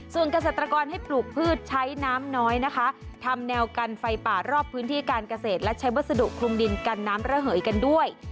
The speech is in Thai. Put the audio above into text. ส่วนเกษตรกรให้ปลูกพืชใช้น้ำน้อยนะคะทำแนวกันไฟป่ารอบพื้นที่การเกษตรและใช้วัสดุคลุมดินกันน้ำระเหยกันด้วย